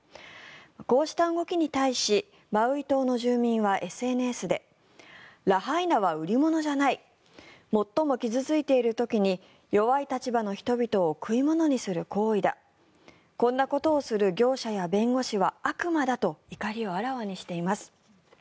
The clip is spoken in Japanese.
こうした動きに対しマウイ島の住民はＳＮＳでラハイナは売り物じゃない最も傷付いている時に弱い立場の人々を食い物にする行為だこんなことをする業者や弁護士は悪魔だと怒りをあらわにしています。